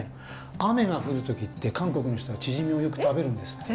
雨が降る時って韓国の人たちチヂミをよく食べるんですって。